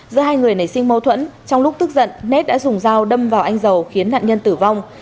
giữa hai người nảy sinh mâu thuẫn trong lúc tức giận nết đã dùng dao đâm vào anh dầu khiến nạn nhân tử vong